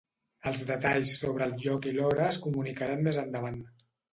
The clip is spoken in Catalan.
Els detalls sobre el lloc i l’hora es comunicaran més endavant.